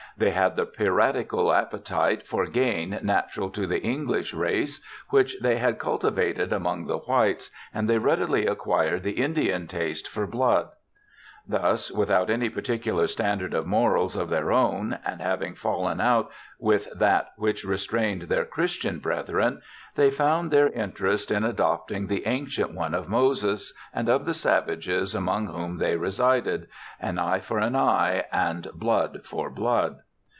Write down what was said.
They had the piratical appetite for gain natural to the English race, which they had cultivated among the whites, and they readily acquired the Indian taste for blood. ' Thus, without any particular standard of morals of their own, and having fallen out with that which re strained their Christian brethren, they found their interest in adopting the ancient one of Moses and of the savages among whom they resided — An eye for an eye," and " blood for blood